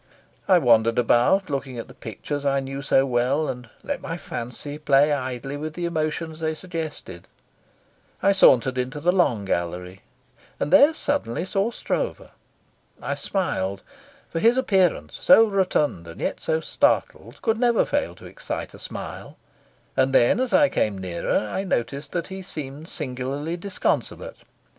I wandered about looking at the pictures I knew so well, and let my fancy play idly with the emotions they suggested. I sauntered into the long gallery, and there suddenly saw Stroeve. I smiled, for his appearance, so rotund and yet so startled, could never fail to excite a smile, and then as I came nearer I noticed that he seemed singularly disconsolate.